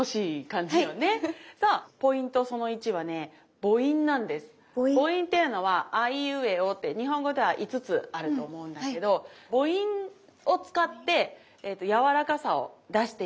母音っていうのは「あいうえお」って日本語では５つあると思うんだけど母音を使ってやわらかさを出していきます。